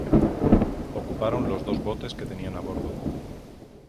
Ocuparon los dos botes que tenían a bordo.